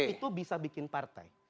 itu bisa bikin partai